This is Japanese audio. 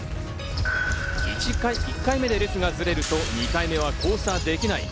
１回目で列がずれると、２回目は交差できない。